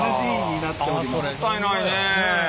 もったいないね。